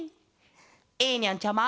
えーにゃんちゃま！